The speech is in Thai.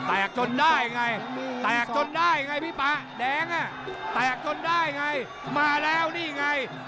จนได้ไงแตกจนได้ไงพี่ป๊าแดงอ่ะแตกจนได้ไงมาแล้วนี่ไง